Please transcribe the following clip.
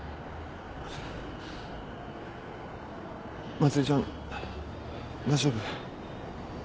茉莉ちゃん大丈夫？